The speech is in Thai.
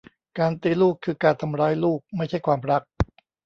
การตีลูกคือการทำร้ายลูก ไม่ใช่ความรัก